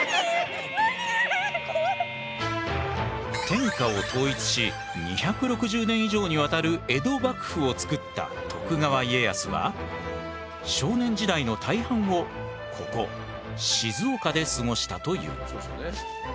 天下を統一し２６０年以上にわたる江戸幕府を作った徳川家康は少年時代の大半をここ静岡で過ごしたという。